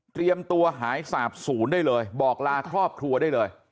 ตัวหายสาบศูนย์ได้เลยบอกลาครอบครัวได้เลย